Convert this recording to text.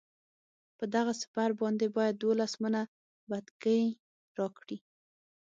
په دغه سپر باندې باید دولس منه بتکۍ راکړي.